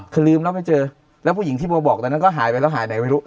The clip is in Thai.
คือลืมแล้วไม่เจอแล้วผู้หญิงที่โบบอกตอนนั้นก็หายไปแล้วหายไหนไม่รู้